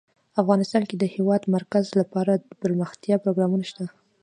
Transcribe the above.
افغانستان کې د د هېواد مرکز لپاره دپرمختیا پروګرامونه شته.